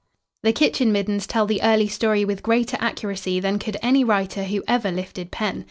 The kitchen middens tell the early story with greater accuracy than could any writer who ever lifted pen.